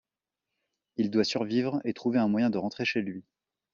Il doit survivre et trouver un moyen de rentrer chez lui.